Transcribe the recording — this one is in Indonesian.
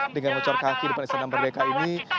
dengan mengecor kaki di depan istana merdeka ini